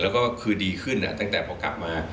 แล้วก็คือดีขึ้นตั้งแต่พอกลับมา